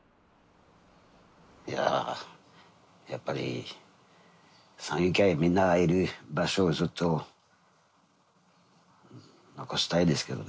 いややっぱり山友会みんながいる場所をずっと残したいですけどね。